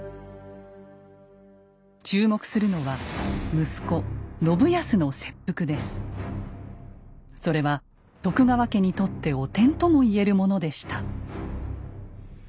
注目するのはそれは徳川家にとって汚点とも言えるものでした。